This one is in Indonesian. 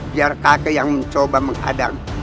biar kakek yang mencoba menghadang